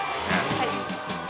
はい。